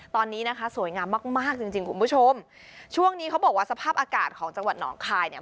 ตอนนี้นะคะสวยงามมากมากจริงจริงคุณผู้ชมช่วงนี้เขาบอกว่าสภาพอากาศของจังหวัดหนองคายเนี่ย